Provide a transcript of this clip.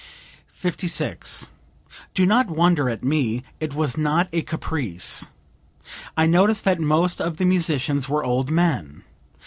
56. "Do not wonder at me; it was not a caprice. I noticed that most of the musicians were old men.